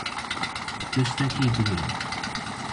Tiştekî dibirim.